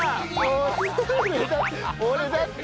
俺だった！